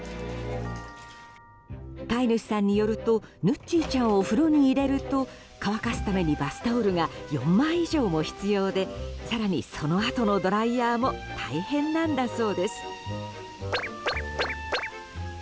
飼い主さんによるとヌッチーちゃんを風呂に入れると乾かすためにバスタオルが４枚以上も必要で更に、そのあとのドライヤーも大変なんだそうです。